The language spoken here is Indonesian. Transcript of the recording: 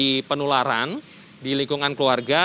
mengurangi penularan di lingkungan keluarga